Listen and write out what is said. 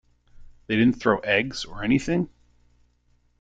They didn't throw eggs, or anything?